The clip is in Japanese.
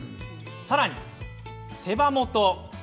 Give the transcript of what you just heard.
さらに手羽元です。